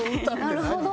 なるほど！